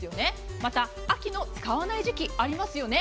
また、秋の使わない時期ありますよね。